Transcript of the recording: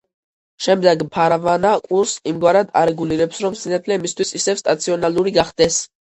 შემდეგ ფარვანა კურსს იმგვარად არეგულირებს, რომ სინათლე მისთვის ისევ სტაციონალური გახდეს.